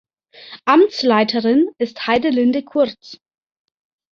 Amtsleiterin ist Heidelinde Kurz.